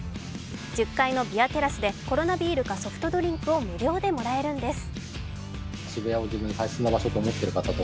１０階のビアテラスでコロナビールかソフトドリンクを無料でもらえるんです。